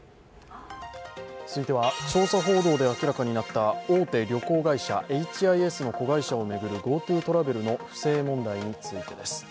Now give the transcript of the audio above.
続いては調査報道で明らかになった大手旅行会社、エイチ・アイ・エスの子会社を巡るＧｏＴｏトラベルの不正問題についてです。